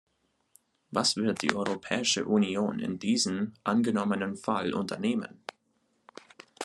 Was wird die Europäische Union in diesem angenommenen Fall unternehmen?